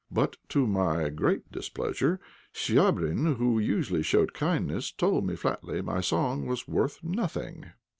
But to my great displeasure Chvabrine, who usually showed kindness, told me flatly my song was worth nothing.